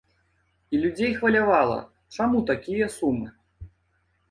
І людзей хвалявала, чаму такія сумы.